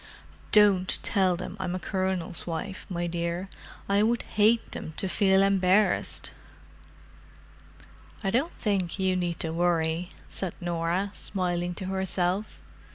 Don't tell them I'm a Colonel's wife, my dear; I would hate them to feel embarrassed!" "I don't think you need worry," said Norah, smiling to herself.